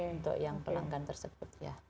untuk yang pelanggan tersebut